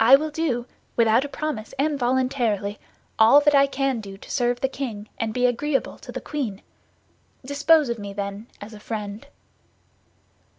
"I will do, without a promise and voluntarily, all that I can do to serve the king and be agreeable to the queen. Dispose of me, then, as a friend."